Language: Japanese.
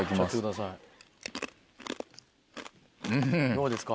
どうですか？